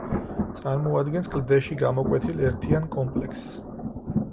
წარმოადგენს კლდეში გამოკვეთილ ერთიან კომპლექსს.